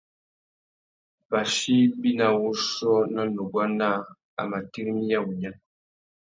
Pachí ibi nà wuchiô nà nuguá naā, a mà tirimiya wunya.